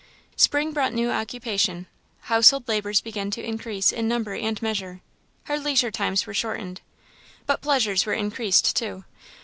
Spring brought new occupation; household labours began to increase in number and measure; her leisure times were shortened. But pleasures were increased too.